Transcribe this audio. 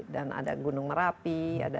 dan ada gunung merapi